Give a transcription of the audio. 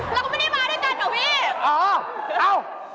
เราก็ไม่ได้มาด้วยกันเหรอพี่